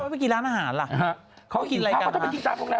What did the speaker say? เมื่อกี้ร้านอาหารล่ะเขาก็กินอะไรกันล่ะ